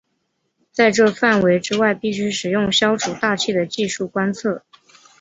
在这范围之外必须使用消除大气的技术观测。